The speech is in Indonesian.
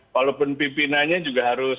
walaupun pimpinannya juga harus